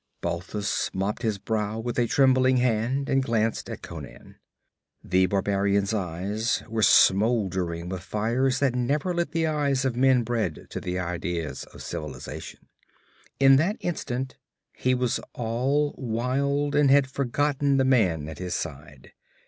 Balthus mopped his brow with a trembling hand and glanced at Conan. The barbarian's eyes were smoldering with fires that never lit the eyes of men bred to the ideas of civilization. In that instant he was all wild, and had forgotten the man at his side.